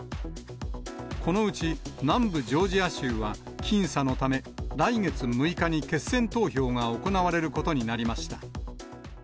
このうち南部ジョージア州は僅差のため、来月６日に決選投票が行われることになりました。